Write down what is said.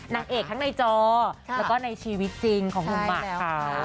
นักเอกทั้งในจอและอีกที่ในชีวิตจริงของคุณหมะเขา